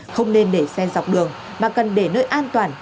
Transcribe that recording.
không nên để xen dọc đường mà cần để nơi an toàn